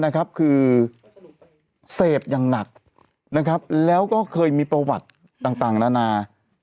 นะครับคือเสพอย่างหนักนะครับแล้วก็เคยมีประวัติต่างนานา